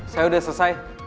saya udah selesai